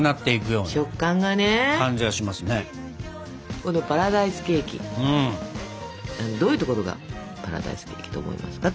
どういうところがパラダイスケーキと思いますか？